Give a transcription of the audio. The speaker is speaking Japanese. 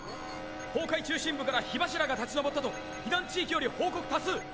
崩壊中心部から火柱が立ちのぼったと避難地域より報告多数！